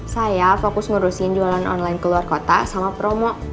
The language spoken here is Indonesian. saya fokus ngurusin jualan online keluar kota sama promo